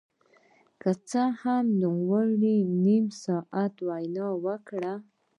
که څه هم نوموړي يو نيم ساعت وينا وکړه.